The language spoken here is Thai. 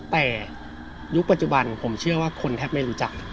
แต่ยุคปัจจุบันผมเชื่อว่าคนแทบไม่รู้จัก